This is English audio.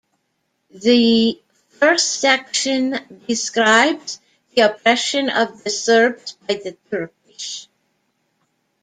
The first section describes the oppression of the Serbs by the Turkish.